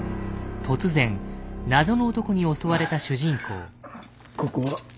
突然謎の男に襲われた主人公。